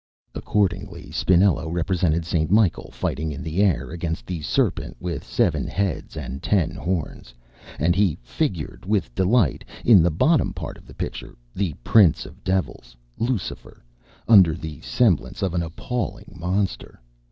Accordingly Spinello represented St. Michael fighting in the air against the serpent with seven heads and ten horns, and he figured with delight, in the bottom part of the picture, the Prince of the Devils, Lucifer, under the semblance of an appalling monster.